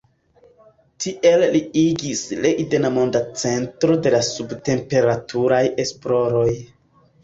Tiel li igis Leiden monda centro de la sub-temperaturaj esploroj.